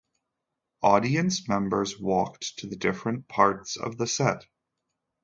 Audience members walked to the different parts of the set.